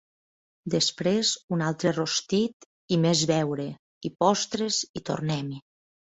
Després un altre rostit, i més beure, i postres, i tornem-hi